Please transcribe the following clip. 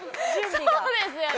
そうですよね。